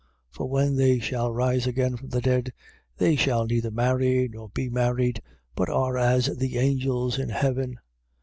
12:25. For when they shall rise again from the dead, they shall neither marry, nor be married, but are as the angels in heaven.